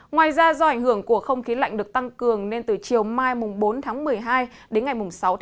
ngoài ra do ảnh hưởng của không khí lạnh được tăng cường nên từ chiều mai bốn một mươi hai đến ngày sáu một mươi hai